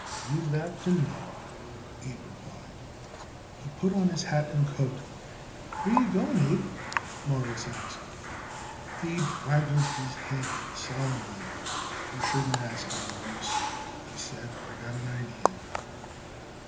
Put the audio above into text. "Leave that to me," Abe replied. He put on his hat and coat. "Where are you going, Abe?" Morris asked. Abe waggled his head solemnly. "You shouldn't ask me, Mawruss," he said. "I got an idee."